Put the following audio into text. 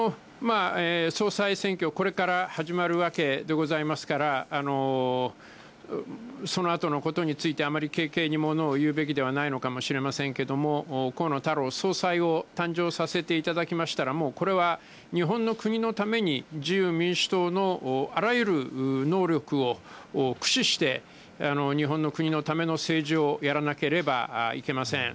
総裁選挙、これから始まるわけでございますから、そのあとのことについて、あまり軽々に物を言うべきではないのかもしれないですけれども、河野太郎総裁を誕生させていただきましたら、もうこれは日本の国のために、自由民主党のあらゆる能力を駆使して、日本の国のための政治をやらなければいけません。